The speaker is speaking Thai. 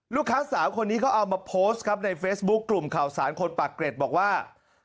ลูกค้าสาวคนนี้เขาเอามาโพสต์ครับในเฟซบุ๊คกลุ่มข่าวสารคนปากเกร็ดบอกว่า